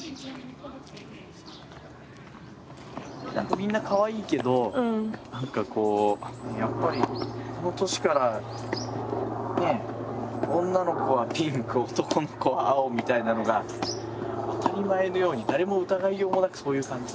みんなかわいいけど何かこうやっぱりこの年から女の子はピンク男の子は青みたいなのが当たり前のように誰も疑いようもなくそういう感じ。